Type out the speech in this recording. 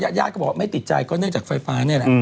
ญาติญาติก็บอกว่าไม่ติดใจก็เนื่องจากไฟฟ้านี่แหละ